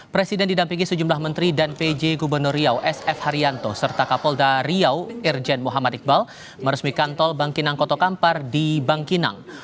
presiden didampingi sejumlah menteri dan pj gubernur riau sf haryanto serta kapolda riau irjen muhammad iqbal meresmikan tol bangkinang kota kampar di bangkinang